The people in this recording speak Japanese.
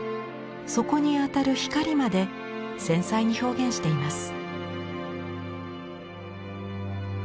そこに当たる光まで繊細に表現しています。